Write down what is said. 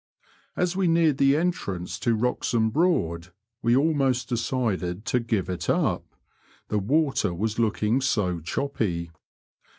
As we neared the entrance to Wroxham Broad, we ahnost decided to give it up, the water was looking so choppy.